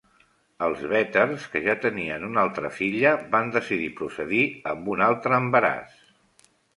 Els Vetters, que ja tenien una filla, van decidir procedir amb un altre embaràs.